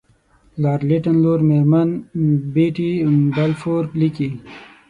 لارډ لیټن لور میرمن بیټي بالفور لیکي.